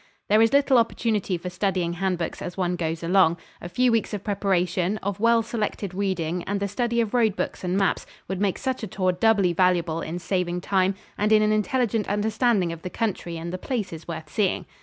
There is little opportunity for studying hand books as one goes along. A few weeks of preparation, of well selected reading and the study of road books and maps would make such a tour doubly valuable in saving time and in an intelligent understanding of the country and the places worth seeing.